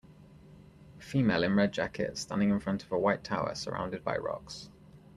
Female in red jacket standing in front of a white tower surrounded by rocks.